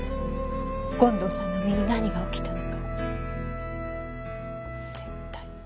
権藤さんの身に何が起きたのか絶対。